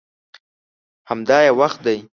همدا یې وخت دی.